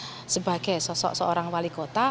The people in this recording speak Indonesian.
bisa dilaksanakan sebagai sosok seorang wali kota